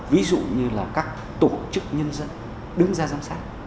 ví dụ như là các tổ chức nhân dân đứng ra giám sát